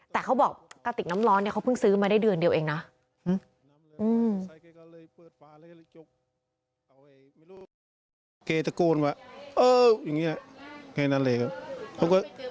แต่เขาบอกกะติกน้ำร้อนเนี่ยเขาเพิ่งซื้อมาได้เดือนเดียวเองนะ